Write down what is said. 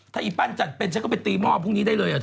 ถ้าอย่อปั้นจัดเป็นฉันก็ไปตีม่อไม่ได้เลยอ่ะเธอ